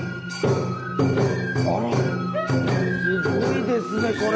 あらすごいですねこれ。